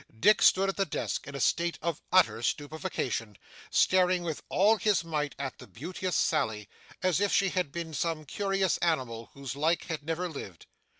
Dick stood at the desk in a state of utter stupefaction, staring with all his might at the beauteous Sally, as if she had been some curious animal whose like had never lived.